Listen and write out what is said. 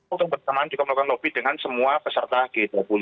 untuk pertama juga melakukan lobby dengan semua peserta g dua puluh